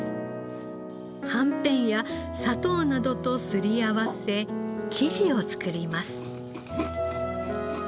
はんぺんや砂糖などとすり合わせ生地を作ります。